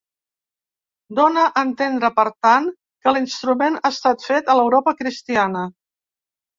Dóna a entendre per tant que l'instrument ha estat fet a l'Europa cristiana.